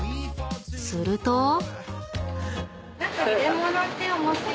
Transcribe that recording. すると］何か。